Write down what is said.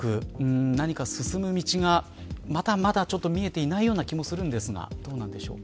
何か、進む道がまだまだ、ちょっと見えていないような気もするんですがどうなんでしょうか。